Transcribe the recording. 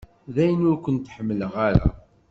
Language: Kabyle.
Dayen ur kent-ḥemmleɣ ara.